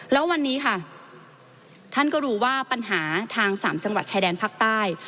แล้ววันนี้ค่ะท่านก็รู้ว่าปัญหาทางสามจังหวัดชายแดนภาคใต้